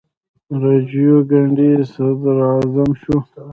راجیو ګاندي صدراعظم شو.